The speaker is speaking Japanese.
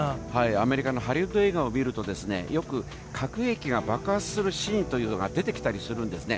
アメリカのハリウッド映画を見ると、よく核兵器が爆発するシーンというのが出てきたりするんですね。